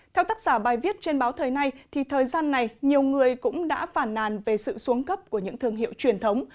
theo tác giả bài viết trên báo thời nay thời gian này nhiều người cũng đã phản nàn về sự xuống cấp của những thương hiệu truyền thống